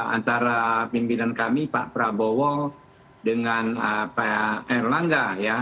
antara pimpinan kami pak prabowo dengan pak erlangga ya